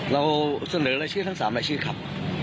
เราเสนอรายชื่อทั้ง๓รายชื่อครับ